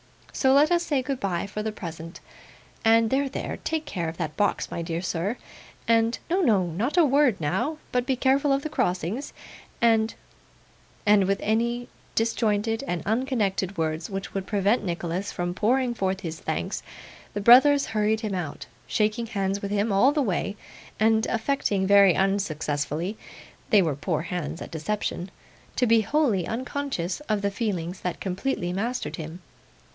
So let us say goodbye for the present, and there, there take care of that box, my dear sir and no, no, not a word now; but be careful of the crossings and ' And with any disjointed and unconnected words which would prevent Nicholas from pouring forth his thanks, the brothers hurried him out: shaking hands with him all the way, and affecting very unsuccessfully they were poor hands at deception! to be wholly unconscious of the feelings that completely mastered him.